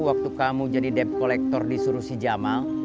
waktu kamu jadi debt collector di surusi jamal